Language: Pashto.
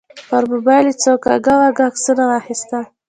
پر موبایل یې څو کاږه واږه عکسونه واخیستل.